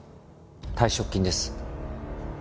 退職金です。